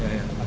sudah kan pak